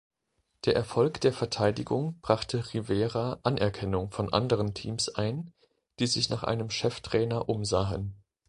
Der Erfolg der Verteidigung brachte Rivera Anerkennung von anderen Teams ein, die sich nach neuen Cheftrainern umsahen.